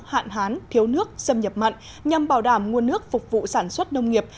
hạn hán thiếu nước xâm nhập mặn nhằm bảo đảm nguồn nước phục vụ sản xuất nông nghiệp